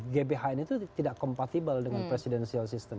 gbhn itu tidak kompatibel dengan presidensial system